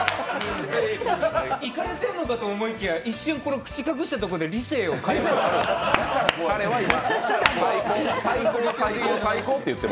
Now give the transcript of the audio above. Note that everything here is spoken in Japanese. イカれてるのかと思いきや、一瞬口を隠したところで理性を保ってる。